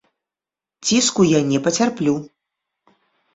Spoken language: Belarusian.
Ціску я не пацярплю.